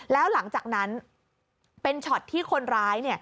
แล้วหลังจากนั้นเป็นช็อตที่คนร้าย